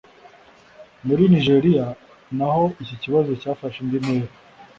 muri nigeriya naho iki kibazo cyafashe indi ntera